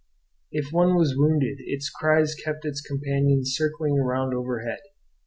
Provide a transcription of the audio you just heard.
If one was wounded its cries kept its companions circling around overhead.